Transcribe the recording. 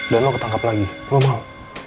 dan lo ketangkap lagi lo mau